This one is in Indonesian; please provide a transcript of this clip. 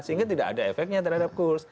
sehingga tidak ada efeknya terhadap kurs